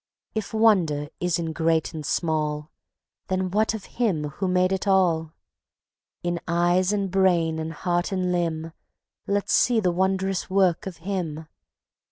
If wonder is in great and small, Then what of Him who made it all? In eyes and brain and heart and limb Let's see the wondrous work of Him.